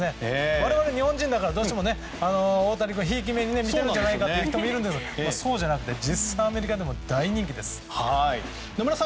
我々、日本人だから大谷君をひいき目に見ているんじゃないかという人もいますけどそうじゃなくて実際、アメリカでも大人気です。